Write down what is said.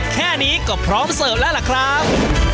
แค่นี้ก็พร้อมเสิร์ฟแล้วล่ะครับ